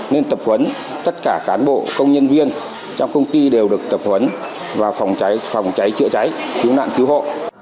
đều được tập huấn về công tác phòng cháy cháy cháy cơ sở